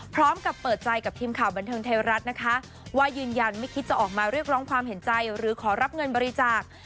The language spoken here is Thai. พร้อมกับเปิดใจกับทีมข่าวบันเทิงไทยรัฐนะคะว่ายืนยันไม่คิดจะออกมาเรียกร้องความเห็นใจหรือขอรับเงินบริจาค